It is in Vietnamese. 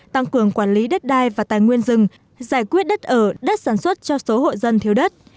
tăng cường quản lý đất đai và tài nguyên rừng giải quyết đất ở đất sản xuất cho số hộ dân thiếu đất